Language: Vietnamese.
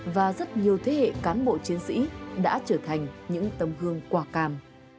và rất nhiều thế hệ cán bộ chiến sĩ đã trở thành những tấm gương quả càm